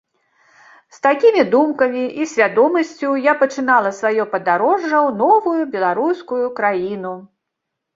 З такімі думкамі і свядомасцю я пачынала сваё падарожжа ў новую беларускую краіну.